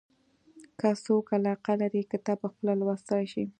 که څوک علاقه لري کتاب پخپله لوستلای شي.